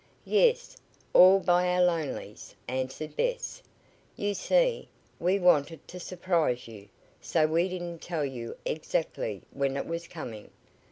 "Yes, all by our lonelies," answered Bess. "You see, we wanted to surprise you, so we didn't tell you exactly when it was coming.